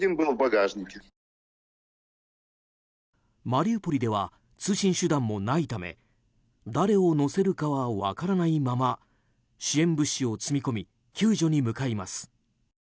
マリウポリでは通信手段もないため誰を乗せるかは分からないまま支援物資を積み込み救助に向かいます。